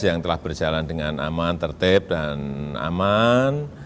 yang telah berjalan dengan aman tertib dan aman